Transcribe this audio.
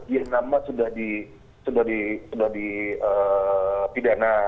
yang nama sudah dipidana